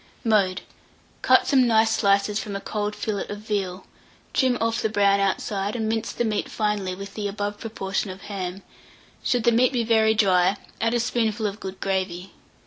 Mode. Cut some nice slices from a cold fillet of veal, trim off the brown outside, and mince the meat finely with the above proportion of ham: should the meat be very dry, add a spoonful of good gravy.